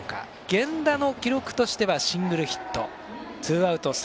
源田の記録としてはシングルヒット。